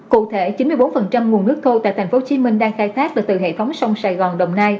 cụ thể chín mươi bốn nguồn nước thô tại thành phố hồ chí minh đang khai thác từ hệ thống sông sài gòn